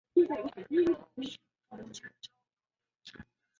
这使他成为最有名的共享软件发明者之一。